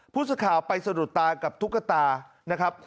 ผู้สื่อข่าวไปสะดุดตากับตุ๊กตานะครับ